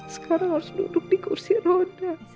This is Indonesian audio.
sekarang harus duduk di kursi roda